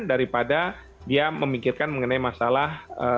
daripada dia memikirkan mengenai masalah